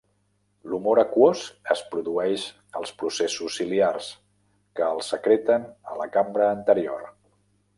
L'humor aquós es produeix als processos ciliars, que el secreten a la cambra anterior.